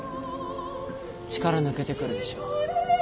力抜けてくるでしょ？